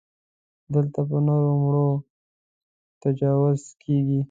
دلته پر نرو مړو تجاوز کېږي.